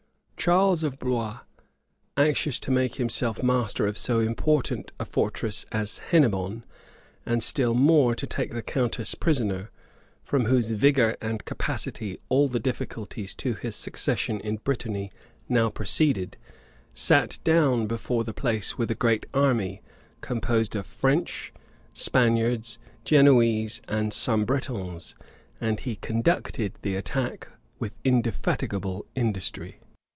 Charles of Blois, anxious to make himself master of so important a fortress as Hennebonne, and still more to take the countess prisoner, from whose vigor and capacity all the difficulties to his succession in Brittany now proceeded, sat down before the place with a great army, composed of French, Spaniards, Genoese, and some Bretons; and he conducted the attack with indefatigable industry.